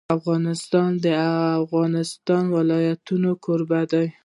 افغانستان د د افغانستان ولايتونه کوربه دی.